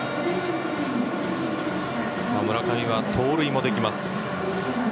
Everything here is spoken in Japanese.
村上は盗塁もできます。